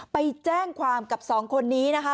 ไปแจ้งความกับสองคนนี้นะคะ